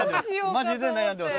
マジで悩んでます。